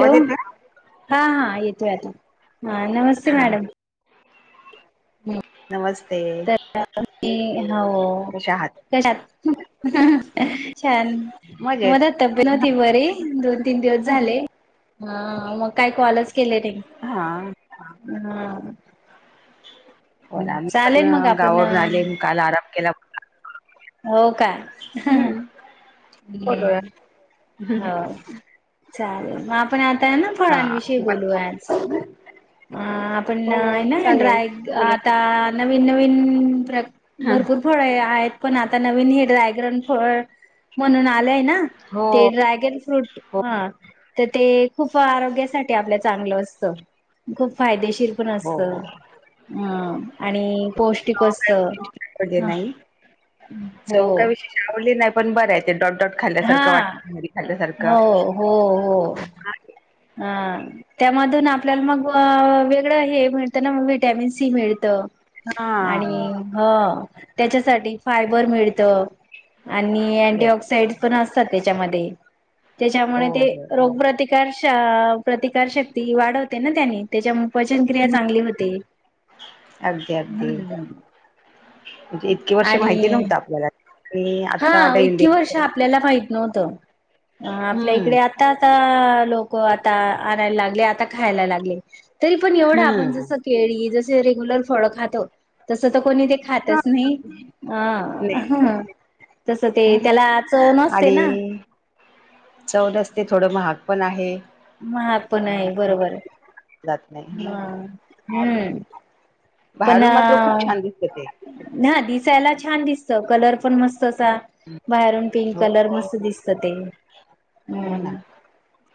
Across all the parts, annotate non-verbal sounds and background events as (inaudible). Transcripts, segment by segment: Hello येतोय? हा हा येतोय आता हा नमस्ते हा मॅडम नमस्ते तर हो कशा आहात? टात छान. मजेत मदात तब्येत हो्हती बरी दोन तीन दिवस झाले. हा मग काय कॉलच केले हा हा. बर आम्ही पण चालेल मग आपण गावावरून आले काल आराम केला. हो काय. हम्म. बोलूया हम्म. हो चालेल मग आपण आता ना हा फळांविषयी बोलूया. अ आपण हो आहे चालेल नाय बोला आता नवीन नवीन प्र हा, भरपूर फळ आहेत पण आता नवीन हे ड्रायग्रन फळ म्हणून आलंय ना. हो ते ड्रॅगन फ्रूट हो हा तर ते खूप आरोग्यासाठी आपल्या चांगलं असतं खूप फायदेशीर न असत हो ह. आणि चव पौष्टिकस्त काय विशेष आवडले हो. आवले नाही पण बरं आहे ते डॉट डॉट हा खाल्ल्यासारखं वाटरी खाल्ल्यासारखं हो हो हो. हम. त्यामधून आपल्याला मग वेगळं हे मिळतं ना म विटॅमिन सी मिळतं. आणि हा ह त्याच्यासाठी फायबर मिळत. आणि अँटी येस येस ऑक्साइड् पण असतात त्याच्यामध्ये हो त्याच्यामुळे ते हो हो रोग प्र्रतिकार प्रतिकारशक्ती वाढवते ना त्यानी त्याच्यामुळे पचनक्रिया चांगली होते. अगदी अगदी हम्म म्हणजे इतकी वर्ष आणि माहिती नव्हतं आपल्याला आणि हा आता आलं इतकी वर्ष इंडिया आपल्याला माहत नव्हतं आपल्या हम्म इकडे आ. आता आता लोक आता आणायला लागले आता खायला लागले. तरी पण एवढा आपण हम्म जसं केळी जस रेग्युलर फळ खातो. तसं तर कोणी ते हा खातच नाही नाही अ तसं ते हा त्याला च नसते ना. चौरस ते थोडं महाग पण आहे. महाग पण आहे म्हणून बरोबर जात आहे नाही हा हम्म. पण बाहेरून मात्र खूप छान दिसत ते ह दिसायला छान दिसत कलर पण मस्त तसा बाहेरून पिंक हो कलर मस्त दिसत ते हो ना हम्म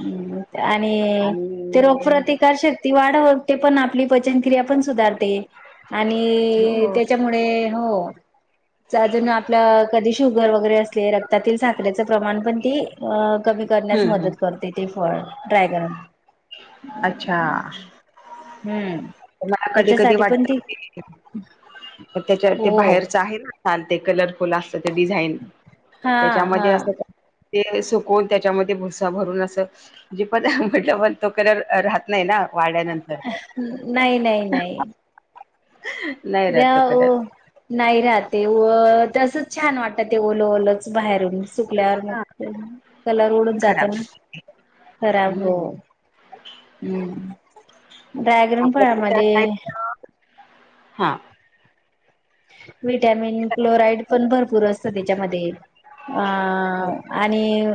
हम् आणि आणि तिरोपरती शकती वाढ वगते पण आपली पचनक्रिया पण सुधारते. आणि हो त्याच्यामुळे हो अजून आपल्या कधी शुगर वगैरे असले रक्तातील साखरेचं प्रमाण पण ती कमी करण्यास हम्म हम्म मदत करत. ते फळ ड्रायगन अच्छा. हम्म मला कधी कधी त्याच्यासाठी पण वाटत ती त्याच्या हो ते बाहेरच आहे ना छान ते कलर. खुलं असत ते डिझाईन हा हा त्याच्यामध्ये अस. ते सुकवून त्याच्यामध्ये भुसा भरून असं. जे पण म्हटलं पण तो कलर राहत नाही ना वाड्यानंतर नाही नाही नाही. नाही त्या राहतो ओ कधी आता नाही राहते व तसच छान वाटत ते ओलं ओलच बाहेर. सुकल्यावर हा मग कलर उडून जातो खराब ना दिसत खराब हो. हम्म. हम्म ड्रॅग्रन फळामध्ये हा. विटॅमिन क्लोराइड पण भरपूर असत त्याच्यामध्ये अ आणि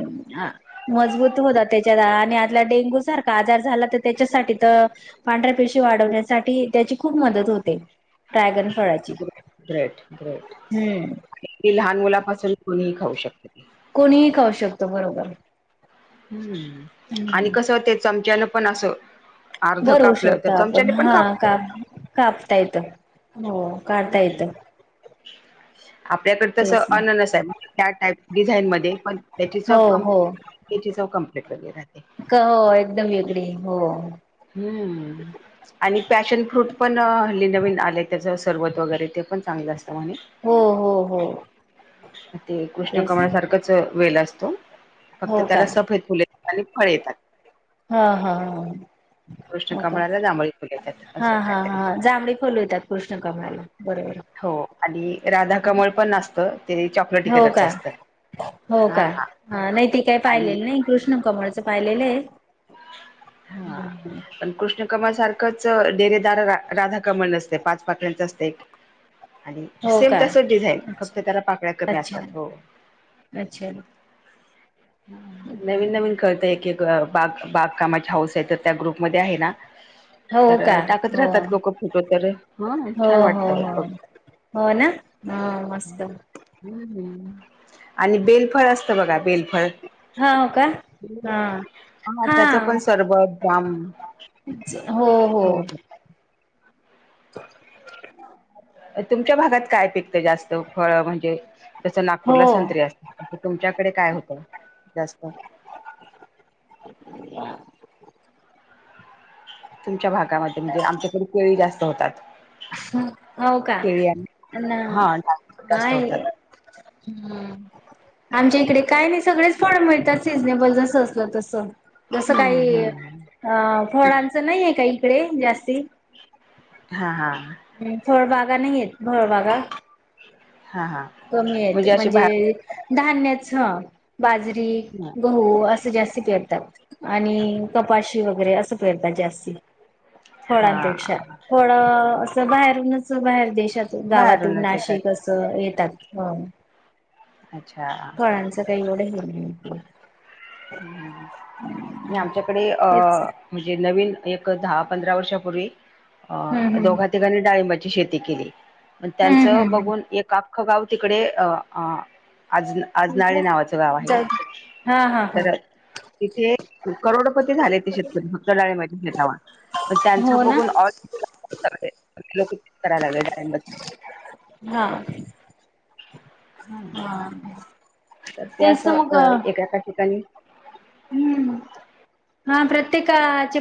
मजबूत होतात त्याच्या आणि आला डेंगू सारखा आजार झाला तर त्याच्यासाठी तर पांढऱ्या पेशी वाढवण्यासाठी त्याची खूप मदत होते ड्रॅगन फळाची ग्रेट ग्रेट हम्म ती लहान मुलापासून कोणीही खाऊ शकते कोणीही खाऊ शकत बरोबर हम्म आणि हम्म कस ते चमच्यान पण असं अर्ध कापलं तर चमच्याने पण खा काप कापता येत हो काढता हम्म. येतं आपल्याकडे कस तेच ना अननस आहे त्या टाईप डिझाईन मध्ये पण त्याची चव हो कम हो त्याची सव कम्प्लीट वगैर राहते का हो एकदम वेगळी हो हम्म आणि पॅशन फ्रूट पण हल्ली नवीन आले त्याचं सरबत वगैरे ते पण चांगलं असतं म्हणे हो हो हो ते कृष्ण तेच कमळ ना सारखंच वेल असतो फक्त हो का त्याला सफेद फुले आणि फळ येतात हा हा हा कृष्ण हो का कमळाला जांभळी फुल येतात हा असं हा काहीतरी हा जांभळे फूल येतात कृष्ण कमळाला बरोबर हो आणि राधा कमळ पण असतं ते च हो का हो का हा नाही ते काही आणि पाहिलेली नाही कृष्ण कमळचं पाहिलेलं आहे हा हम्म. पण कृष्ण कमल सारखंच डेरेदार राधा कमल असते पाच पाकड्यांच असते एक आणि हो सेम का तसच डिझाईन अच्छा फक्त त्याला पाकळ्या कमी अच्छा असतात हो अच्छा नवीन नवीन करत एक बाग बागकामाचे हाऊस आहे तर त्या ग्रुपमध्ये आहे ना हो तर का टाकत हो राहतात लोक फोटो तर ह हो छान हो वाटत फ हो हो ना ह मस्त आणि बेलफळ असतय बघा बेलफळ हा हो का हा त्याचं पण हा सरबत जाम हो हो (unintelligible) तुमच्या भागात काय पिकतं जास्त फळ म्हणजे हो नागपूरला संत्री असत तुमच्याकडे काय होतं जास्त तुमच्या भागामध्ये म्हणजे आमच्याकडे केळी जास्त होतात ह हो का केळी आणि पण हा नागपूर जास्त होतात आमच्या इकडे काय नाही सगळेच फळे मिळतात सिजनेबल तसं तस हम्म नाही हम्म फळांचं नाही आहे इकडे जास्ती हा हा फळबागा नाहीयेय फळबागा हा हा कमीयेत हे अशी म्हणजे बाहेर धान्य बाजरी गहू हो असं जास्ती पेरतात आणि कपाशी वगैरे अस पेरतात जासकती हा फळांपेक्षा थोडं असं बाहेरूनच बाहेर देशात (unintelligible) गावातून बाहेरूनच येतात नाशिक अला सतात अच्छा फळांचं काही एवढं नाही हे आणि आमच्याकडे तेच म्हणजे नवीन एक दहा पंधरा वर्षापूर्वी हम्म हम्म दोघा तिघांनी डाळीब शेती केली हम्म त्यांचं हम्म. बघून एक आख गाव तिकड आजनाळे नावाचं गाव आहे. ह. ह. तिथे करोडपती झाले शेतकरी हो ना (unintelligible) हा हा तर तेच मग तें एका ठिकाणी प्रत्येक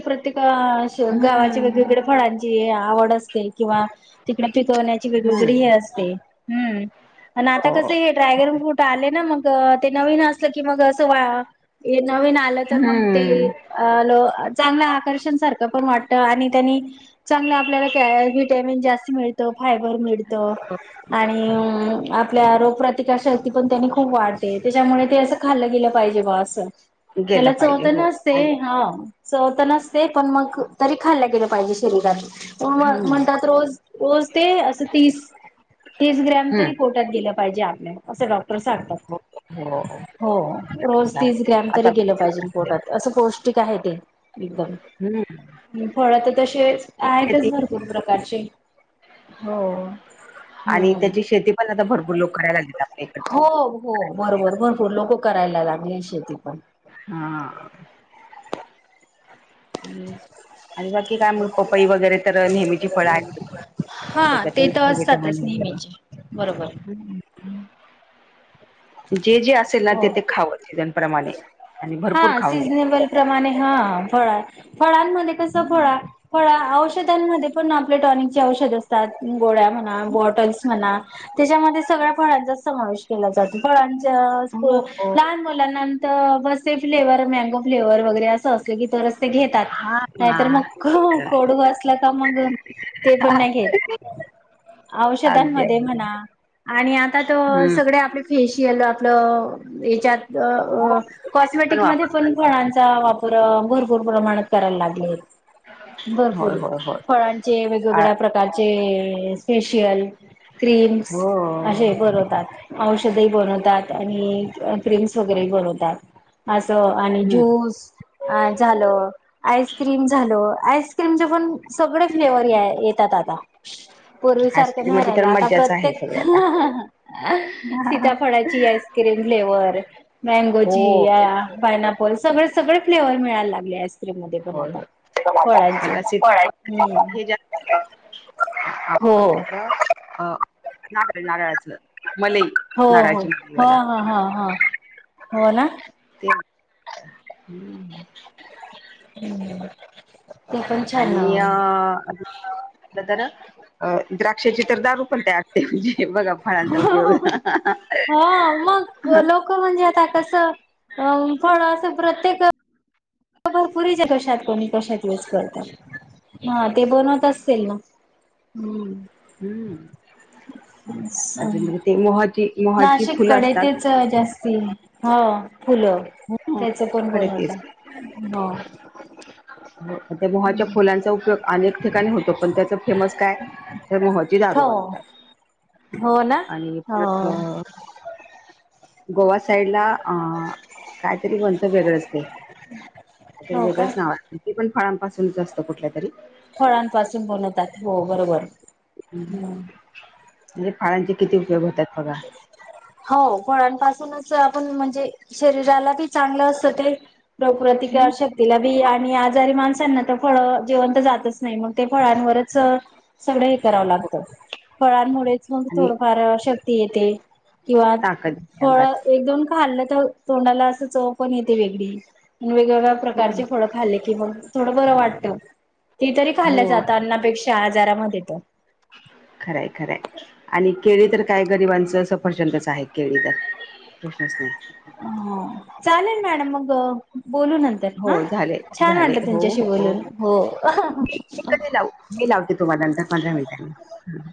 प्रत्येका गावाचे हम्म वेगवेगळे फळांची आवड असते किंवा तिकडे पिकवण्याची हम्म हो (unintelligible) ड्रॅगन फ्रूट आले ना मग ते नवीन अस की मग अस नवीन आ ते हम्म चांगलं आकर्षण सारखं वाटत चांगलं आपल्याला विटॅमिन जास्त फायबर मिळत मिळत आणि आपल्या रोगप्रतिकार खूप वाढते त्याच्यामुळे ते अस खाल् गेलं पाहिजे गेलं त्याला चव पाहिजे पण हो नसते आणि चव नसते पण मग तरी खाल्ला गेलं पाहिजे शरीरात हम्म म्हणतात रोज ते तीस ग्रॅम तरी हम्म. प पोटात गेलं पाहिजे असे डॉक्टर सांगतात हो हो, छान ते आता तरी गेलं पाहिजे पोटात असं पौष्टिक आहे ते हम्म. फळ तर तसे आहेत शेती भरपूर प्रकारचे हो आणि हम्म त्याची शेती पण भरपूर लोक करायला लागलेत आपल्या इकडे हो हो बरोबर भरपूर लोक करायला लागले शेती पण हा बाकी काय पपईवगैरे तर नेहमीची फळं हा ते तर असतातच येतात (unintelligible) नेहमीचे बरोबर (unintelligible) जे जे असेल ना हो ते खाव सीजन प्रमाणे आणि भरपूर खाऊन घ्या त्या (unintelligible) त्या. शेतानमध्ये हं. पण आपले टॉनिक औषध अस गोळया म्हणा बॉटल्स म्हणा त्याच्यामध्ये सगळ्या फळांचा समावेश केला जातो फळांच्या तो हो हो. लहान मुलांनांत ब तेचं फ्लेवर मॅगो फ्लेवर वगैरे असं असलं की तरच घेतात हा ना नाहीतर मग कडू असलं का मग ते पण हा नाही घेत औषधांमध्ये म्हणा आणि आता त हम्म. सगळे आपले फेशियल आपलं हच्यात हो ते कॉस्मेटिकमध्ये वापर पण फळांचा वापर भरपूर भरपूर प्रमाणात करायला लागले होय भरपूर होय होय. फळांचे आ वेगगळ्या प्रकार फळाचे फैशियल क्रीम्स हो. हे प्रॉडक्ट बनवतात औषधही बनवतात आणि क्रीम्स वगैरेही बनवतात असं आणि हम्म, ज्यूस अ झालं आईस्क्रीम झाल आईस्क्रीमचे पण सगळे फ्लेवर येतात आता पूर्वीसारखं आईस्क्रीम नाही मध्ये राहील तर आता मज्जाच आहे प्रत्येक सगळी आता. सीताफळााची आईस्क्रीम फ्लेवर हो, मँगोची पायनापल सगळे सगळे फ्लेवर मिळायला लागले आईस्क्रीम मध्ये पण आता फळांचे हम्म (inaudible) हो (inaudible) हो हो हो मलईवालं ह ह हा हो ना ते हम्म हम्म आणि अ तर अ द्राक्षाची तर दारू पण तयार ते म्हणजे बघा फळांचा उपयोग हा मग (unintelligible) (inaudible) भरपरीच्या कशात कोणी कशात यूज करतात हा ते बनवत असतील ना हम्म हम् अज ते मोहज नाशिक कडे तेच जास्त ह फुलं हो त्याच पण कोण आमच्याकडे तेच होत हो हो त्या मोहाच्या फुलांचा उपयोग अनेक ठिकाणी होतो पण त्याच फेमस काय तर मोहची दारू हो हो बनवतात हो ना आणि पर हो अ गोवा साईड ला अ काहीतरी बणत वेगळंच ते काहीतरी हो का वेगळंच ना वाटत ते पण फळांपासूनच असतं कुठल्या तरी फळांपासून बनवतात हो बरोबर हम्म म्हणजे फळांचे किती उपयोग होतात बघा हो फळांपासूनच आपण म्हणजे शरीराला बी चांगलं असतं ते प्रकृतिक हं. शक्तीला बी आणि आजारी माणसांना तर फळ जेवणंत जातच नाही मग ते फळांवरच सगळ हे करावं हो लागत फळांमुळेच आणि थोडफार शक्ती येते किंवा ताकद येते फळ अंगात एक दोन खाल्लं तर तोंडाला असं चव पण येते वेगळी वेगवेगळ्या हो हो प्रकारचे फळं खाल्ले कि मग थोडं बरं वाटतं ते तरी खाल्लं जातं अन्नापेक्षा आजारामध्ये तर खरय खरय आणि केळी तर काय गरिबांच सफरचंदच आहे के तर प्रशनच नाही ह चालेल मॅडम मग बोलू नंत हा हो झाले छान झाले वाटलं हो तुमच्याशी हो बोलून मी हो कधी लावू मी लावते तुम्हा नंतर पंधरा मिनिटांनी हा हा.